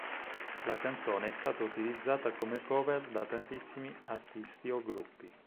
La canzone è stata utilizzata come cover da tantissimi artisti o gruppi.